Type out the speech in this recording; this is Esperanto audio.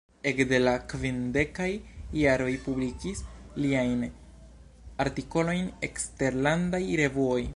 Ekde la kvindekaj jaroj publikis liajn artikolojn eksterlandaj revuoj.